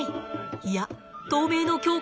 いや透明の強化